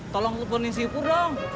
tolong telfonin si pur dong